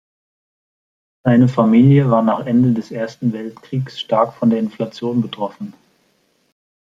Seine Familie war nach Ende des Ersten Weltkriegs stark von der Inflation betroffen.